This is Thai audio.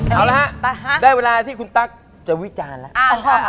เอาละฮะได้เวลาที่คุณตั๊กจะวิจารณ์แล้ว